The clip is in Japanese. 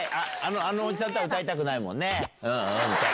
あのおじさんとは歌いたくないもんね。